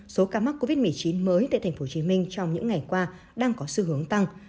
số ca mắc covid một mươi chín mới tại tp hcm trong những ngày qua đang có xu hướng tăng